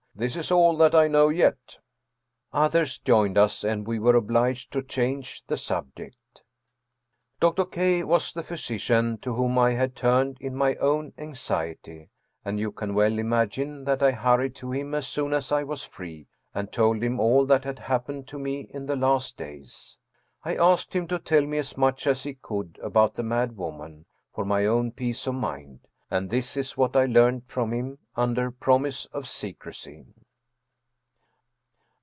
This is all that I know yet." Others joined us and we were obliged to change the sub ject. Dr. K. was the physician to whom I had turned in my own anxiety, and you can well imagine that I hurried 150 Ernest Thcodor Amadcus Hoffmann to him as soon as I was free, and told him all that had happened to me in the last days. I asked him to tell me as much as he could about the mad woman, for my own peace of mind ; and this is what I learned from him under promise of secrecy.